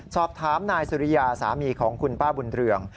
สอบถามนายสุริยาสามีของคุณป้าบุญเรือง